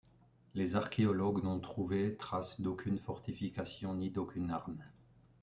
Les archéologues n'ont trouvé trace d'aucune fortification ni d'aucune arme.